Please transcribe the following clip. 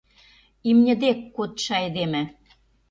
Имньыде кодшо айдеме